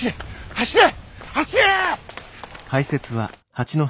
走れ！